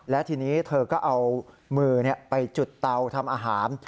และทีนี้เธอก็เอามือไปจุดเตาทำอาหาร